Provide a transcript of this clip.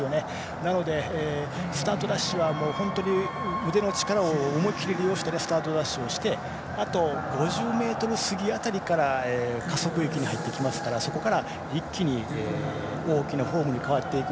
なのでスタートダッシュは本当に腕の力を思い切り利用してスタートダッシュしてあと、５０ｍ過ぎ辺りから加速域に入っていきますからそこから一気に大きなフォームに変わっていく。